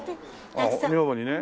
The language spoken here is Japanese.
女房にね。